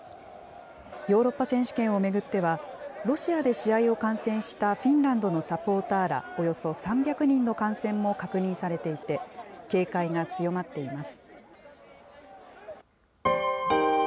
ヨーロッパ選手権を巡っては、ロシアで試合を観戦したフィンランドのサポーターらおよそ３００人の感染も確認されていて、警戒が強まっています。